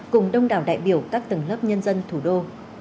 cùng đông đảo đại biểu các tầng lớp nhân dân thủ đô